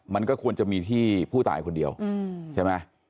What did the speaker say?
มันก็ควรจะมีที่ผู้ตายคนเดียวใช่ไหม